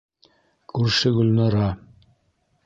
Күрше Гөлнара: